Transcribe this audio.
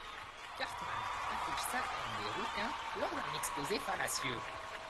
Cartman affiche sa haine des rouquins lors d’un exposé fallacieux.